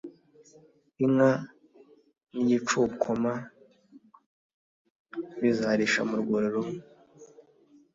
Inka n’igicokoma bizarisha mu rwuri rumwe,